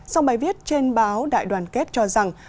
song bài viết trên báo đại đoàn kết cho rằng